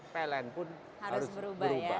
pln pun harus berubah